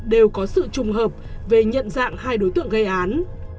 đều có sự trùng hợp về nhận dạng hai đối tượng gây án